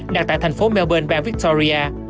đặt tại tp melbourne bang victoria